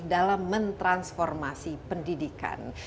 dalam mentransformasi pendidikan